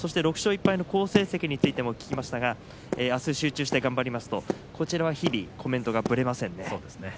６勝１敗の好成績についても聞きましたがあす集中して頑張りますとこちらは日々コメントがぶれませんね。